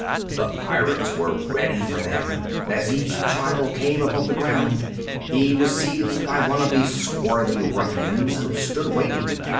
The Pirates were ready for them. As each child came above the ground, he was seized by one of the swarthy ruffians who stood waiting.